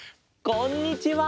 こんにちは。